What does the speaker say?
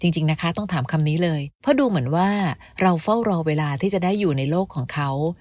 จะได้อยู่ในโลกของเขา